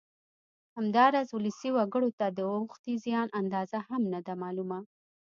همداراز ولسي وګړو ته د اوښتې زیان اندازه هم نه ده معلومه